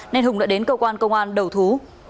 nên hùng đã đến cơ quan công an đầu thú